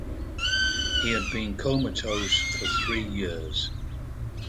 He had been comatose for three years.